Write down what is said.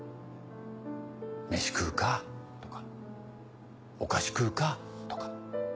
「飯食うか？」とか「お菓子食うか？」とか。